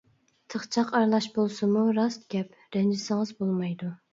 چاقچاق ئارىلاش بولسىمۇ راست گەپ، رەنجىسىڭىز بولمايدۇ.